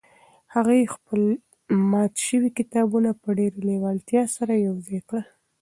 هغې خپل مات شوي کتابونه په ډېرې لېوالتیا سره یو ځای کړل.